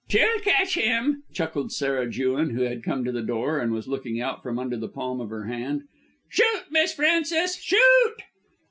"She'll catch him," chuckled Sarah Jewin, who had come to the door and was looking out from under the palm of her hand. "Shoot, Miss Frances. Shoot!"